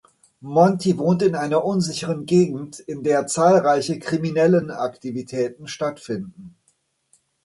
Monty wohnt in einer unsicheren Gegend, in der zahlreiche kriminellen Aktivitäten stattfinden.